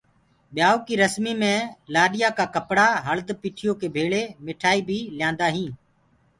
ڀيآئوٚ ڪي رسمي مي لآڏيآ ڪآ ڪپڙا هݪد پِٺيو ڪي ڀيݪی مٺآئي بيٚ ليِآندآ هينٚ۔